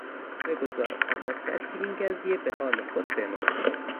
بگذار تا مدتی این قضیه به حال خود بماند.